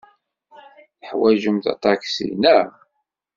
Teḥwajemt aṭaksi, naɣ?